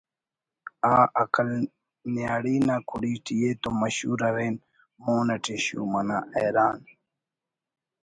آ عقل نیاڑی نا کڑی ٹی ءِ تو مشہور ارین مون اَٹی شوم انا حیران